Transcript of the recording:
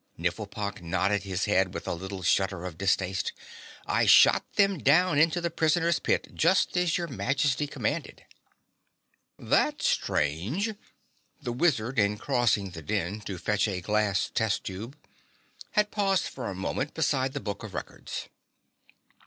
Nifflepok nodded his head with a little shudder of distaste. "I shot them down into the prisoner's pit just as your Majesty commanded." "That's strange." The wizard in crossing the den to fetch a glass test tube had paused for a moment beside the book of records.